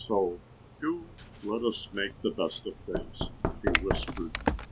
So do let us make the best of things," she whispered.